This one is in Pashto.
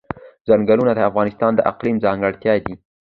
ځنګلونه د افغانستان د اقلیم ځانګړتیا ده.